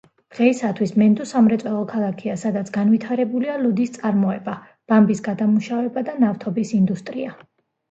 დღეისათვის მუნდუ სამრეწველო ქალაქია, სადაც განვითარებულია ლუდის წარმოება, ბამბის გადამუშავება და ნავთობის ინდუსტრია.